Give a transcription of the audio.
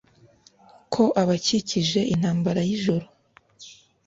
Ko abakijije intambara y’ ijoro !